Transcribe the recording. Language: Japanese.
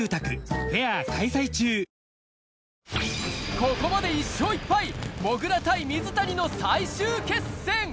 ここまで１勝１敗、もぐら対水谷の最終決戦！